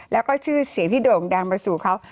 แล้วก็ชื่อเสียงที่โด่งดังไปสู่เขา